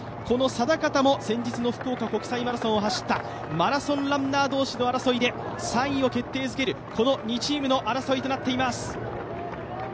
この定方も先日の福岡国際マラソンを走ったマラソンランナー同士の争いで３位を決定づける、この２チームの争いとなっています